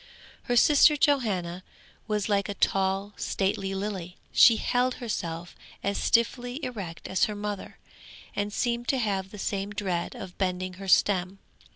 Her sister Johanna was like a tall, stately lily; she held herself as stiffly erect as her mother, and seemed to have the same dread of bending her stem.